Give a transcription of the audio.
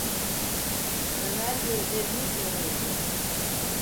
Ömer gözlerini yere indirdi: